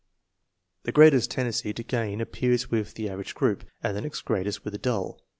The greatest tendency to gain appears with the average group, and the next greatest with the dull.